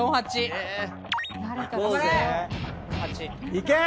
いけ！